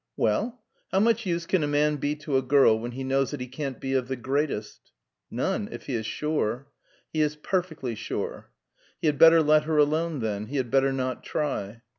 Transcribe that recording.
"Well?" "How much use can a man be to a girl when he knows that he can't be of the greatest?" "None, if he is sure." "He is perfectly sure." "He had better let her alone, then. He had better not try."